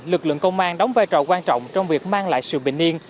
lực lượng công an đóng vai trò quan trọng trong việc mang lại sự bình yên